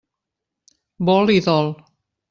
Vol i dol.